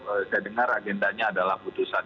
saya dengar agendanya adalah putusan